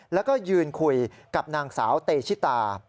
แล้วก็ยืนคุยกับนางสาวเตชิตา